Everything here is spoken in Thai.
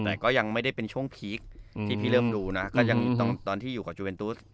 แต่ก็ยังไม่ได้เป็นช่วงพีคที่พี่เริ่มดูนะก็ยังตอนที่อยู่กับจูเวนตุ๊ส